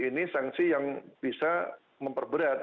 ini sanksi yang bisa memperberat